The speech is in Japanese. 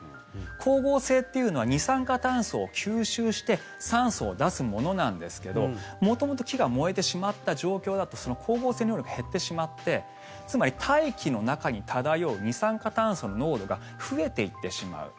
光合成っていうのは二酸化炭素を吸収して酸素を出すものなんですけど元々木が燃えてしまった状況だとその光合成の量が減ってしまってつまり、大気の中に漂う二酸化炭素の濃度が増えていってしまう。